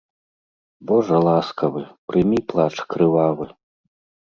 Божа ласкавы, прымі плач крывавы.